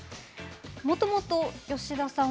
もともと、吉田さん